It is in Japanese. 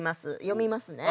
読みますね。